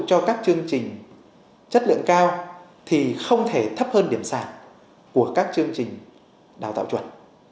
cho các chương trình chất lượng cao thì không thể thấp hơn điểm sàn của các chương trình đào tạo chuẩn